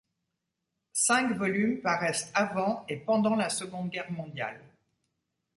Cinq volumes paraissent avant et pendant la Seconde Guerre mondiale.